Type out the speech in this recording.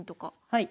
はい。